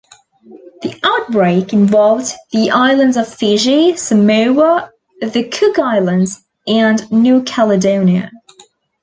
The outbreak involved the islands of Fiji, Samoa, the Cook Islands, and New Caledonia.